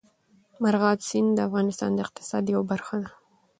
مورغاب سیند د افغانستان د اقتصاد یوه برخه ده.